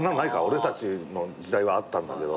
俺たちの時代はあったんだけど。